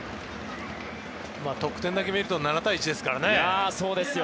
得点だけ見ると７対１ですからね。